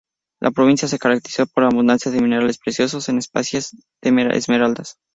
La provincia se caracterizó por su abundancia de minerales preciosos, en especial las esmeraldas.